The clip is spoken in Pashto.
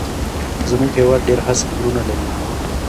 زموږ هيواد ډېر هسک غرونه لري